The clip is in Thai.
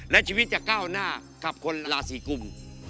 และชีวิตจะก้าวหน้ากับคนราศีกุม